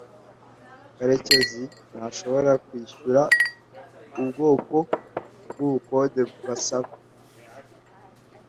karekezi ntashobora kwishyura ubwoko bwubukode basaba